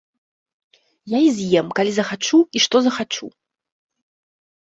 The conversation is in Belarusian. Я і з'ем, калі захачу, што захачу.